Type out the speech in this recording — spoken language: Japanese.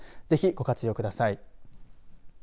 ぜひ、ご活用ください。